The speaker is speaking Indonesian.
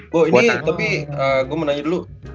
gue ini tapi gue mau nanya dulu